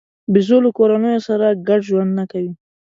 بیزو له کورنیو سره ګډ ژوند نه کوي.